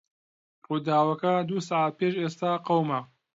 ڕووداوەکە دوو سەعات پێش ئێستا قەوما.